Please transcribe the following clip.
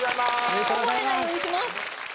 こぼれないようにします。